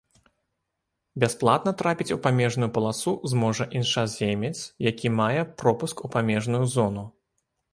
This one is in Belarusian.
Бясплатна трапіць у памежную паласу зможа іншаземец, які мае пропуск у памежную зону.